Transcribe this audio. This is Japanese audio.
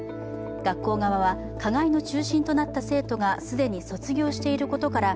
学校側は、加害の中心となった生徒が既に卒業していることから、